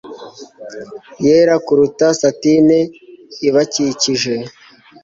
yera kuruta satine ibakikije